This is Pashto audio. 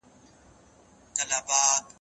د کښېناستو لپاره هر وخت مناسب دی.